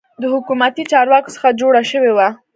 د حکومتي چارواکو څخه جوړه شوې وه.